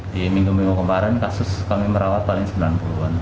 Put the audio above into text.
di minggu minggu kemarin kasus kami merawat paling sembilan puluh an